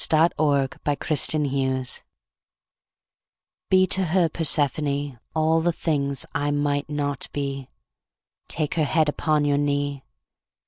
PRAYER TO PERSEPHONE Be to her, Persephone, All the things I might not be; Take her head upon your knee.